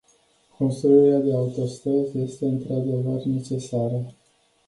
Construirea de autostrăzi este într-adevăr necesară.